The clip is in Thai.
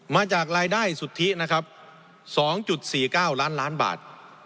มาจากรายได้สุทธิ๒๔๙ล้านบาท